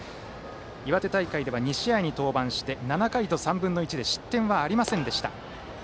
岩手大会では２試合に登板して７回と３分の１で失点はありませんでした。